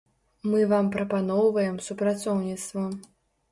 Мы вам прапаноўваем супрацоўніцтва.